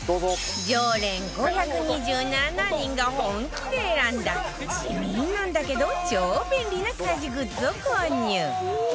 常連５２７人が本気で選んだ地味なんだけど超便利な家事グッズを購入